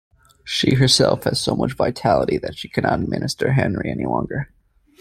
She herself has so much vitality that she cannot minister Henry any longer.